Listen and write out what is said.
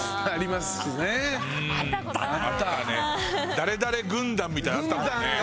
誰々軍団みたいなのあったもんね。